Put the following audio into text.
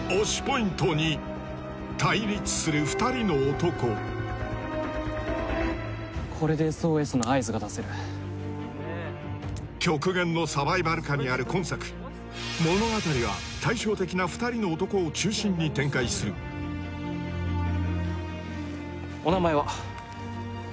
そしてこれでＳＯＳの合図が出せる極限のサバイバル下にある今作物語は対照的な２人の男を中心に展開するお名前は？